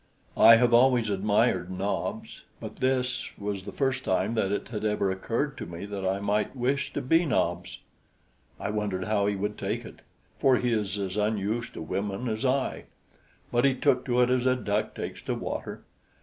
I have always admired Nobs; but this was the first time that it had ever occurred to me that I might wish to be Nobs. I wondered how he would take it, for he is as unused to women as I. But he took to it as a duck takes to water.